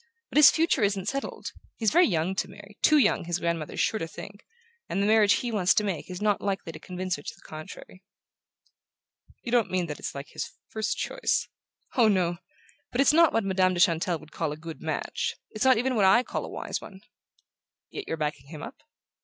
But his future isn't settled. He's very young to marry too young, his grandmother is sure to think and the marriage he wants to make is not likely to convince her to the contrary." "You don't mean that it's like his first choice?" "Oh, no! But it's not what Madame de Chantelle would call a good match; it's not even what I call a wise one." "Yet you're backing him up?"